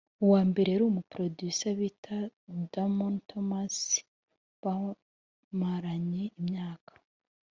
uwambere yari umu producer bita Damon Thomas bamaranye imyaka